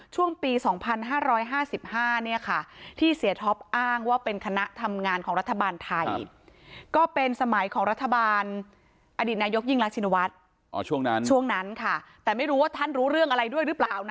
ช่วงปี๒๕๕๕เนี่ยค่ะที่เสียท็อปอ้างว่าเป็นคณะทำงานของรัฐบาลไทย